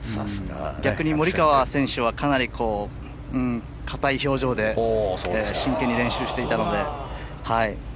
逆に、モリカワ選手はかなり硬い表情で真剣に練習していたので。